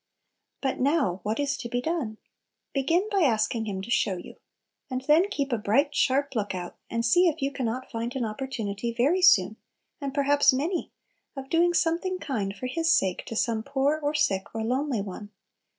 But now, what is to be done? Begin by asking Him to show you. And then keep a bright, sharp look out, and see if you can not find an opportunity very soon (and perhaps many) of doing something kind for His sake to some poor or sick or lonely one.